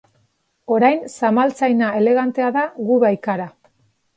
Orain, zamaltzaina elegantea da gu baikara.